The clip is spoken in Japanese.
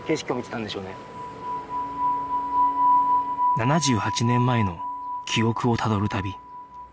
７８年前の記憶をたどる旅